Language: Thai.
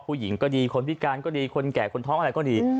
ผู้หญิงก็ดีคนพิการก็ดีคนแก่คนท้องอะไรก็ดี